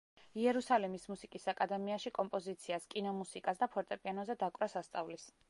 იერუსალიმის მუსიკის აკადემიაში კომპოზიციას, კინომუსიკას და ფორტეპიანოზე დაკვრას ასწავლის.